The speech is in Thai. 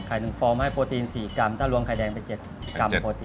๑ฟองให้โปรตีน๔กรัมถ้ารวมไข่แดงไป๗กรัมโปรตีน